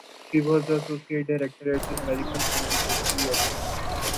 She was the associate director at the American Conservatory of Music.